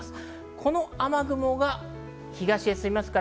この雨雲が東へ進みます。